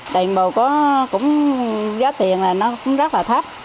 định bộ có cũng giá tiền là nó cũng rất là thấp